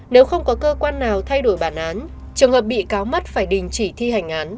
nếu không có cơ quan nào thay đổi bản án trường hợp bị cáo mất phải đình chỉ thi hành án